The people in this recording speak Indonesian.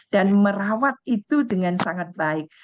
dan merawat itu dengan sangat baik